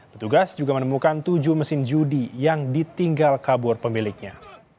petugas juga menemukan tujuh mesin judi yang ditinggal kabur pemiliknya